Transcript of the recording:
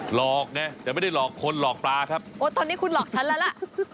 หลอกไงแต่ไม่ได้หลอกคนหลอกปลาครับโอ้ตอนนี้คุณหลอกฉันแล้วล่ะ